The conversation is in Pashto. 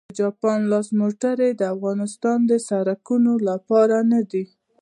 د جاپان لاس موټرې د افغانستان د سړکونو لپاره نه دي